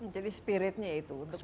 jadi spiritnya itu untuk membangun kualitas